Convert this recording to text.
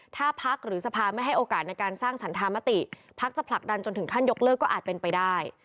ถ้าพักหรือสภาไม่ให้โอกาสในการสร้างฉันธามติพักจะผลักดันจนถึงขั้นยกเลิกก็อาจเป็นไปได้